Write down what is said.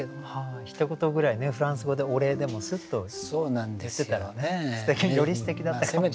ひと言ぐらいねフランス語でお礼でもスッと言ってたらねよりすてきだったかもしれない。